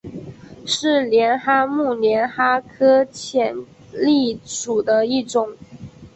是帘蛤目帘蛤科浅蜊属的一种。